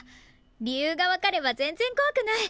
理由が分かれば全然こわくない！